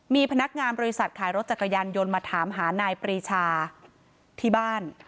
มีพนักงานบริษัทขายรถจักรยานยนต์มาถามหานายปรีชาที่บ้าน